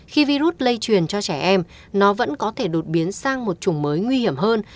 khi virus lây truyền cho trẻ em nó vẫn có thể đột biến sang một chủng mới nguy hiểm hơn